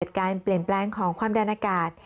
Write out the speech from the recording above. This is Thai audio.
การเปลี่ยนแปลงของความดันอากาศ